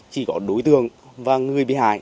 chỉ có đối tượng và người bị hại